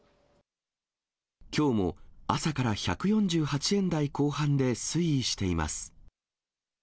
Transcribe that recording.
きょうも朝から１４８円台後半で推移しています。